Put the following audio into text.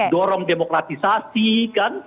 dorong demokratisasi kan